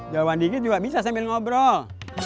jawaban dikit juga bisa sambil ngobrol